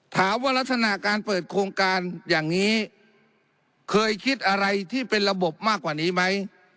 ลักษณะการเปิดโครงการอย่างนี้เคยคิดอะไรที่เป็นระบบมากกว่านี้ไหม